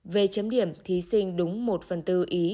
về chấm điểm thí sinh đúng một phần tư ý